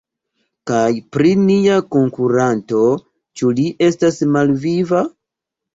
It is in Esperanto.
Kaj pri nia konkuranto, ĉu li estas malviva?